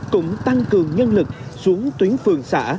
cũng tăng cường nhân lực xuống tuyến phường xã